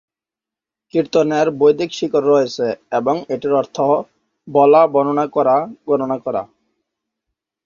কীর্তনের বৈদিক শিকড় রয়েছে, এবং এটির অর্থ "বলা, বর্ণনা করা, গণনা করা"।